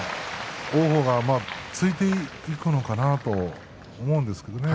王鵬が突いていくのかなと思うんですけどね